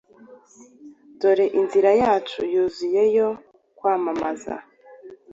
dore inzira yacu yuzuye yo kwamamaza